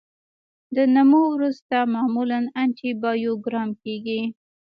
د نمو وروسته معمولا انټي بایوګرام کیږي.